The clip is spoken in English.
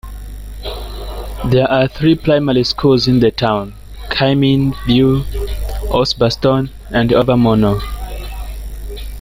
There are three Primary Schools in the town: Kymin View, Osbaston, and Overmonnow.